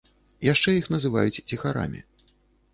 Яшчэ іх называюць ціхарамі.